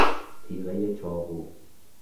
تیغهی چاقو